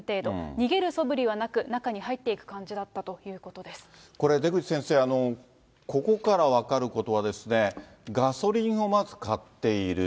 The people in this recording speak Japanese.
逃げるそぶりはなく、中に入ってこれ、出口先生、ここから分かることは、ガソリンをまず買っている。